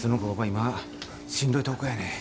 今しんどいとこやねん。